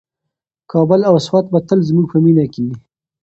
کابل او سوات به تل زموږ په مینه کې وي.